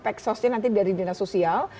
peksosnya nanti dari dinas sosial